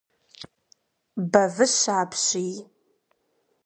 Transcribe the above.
Бэвыщэ апщий!